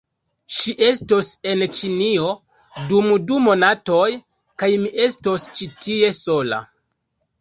... ŝi estos en Ĉinio, dum du monatoj, kaj mi estos ĉi tie, sola.